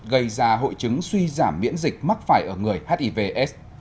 gây ra hội chứng suy giảm miễn dịch mắc phải ở người hiv aids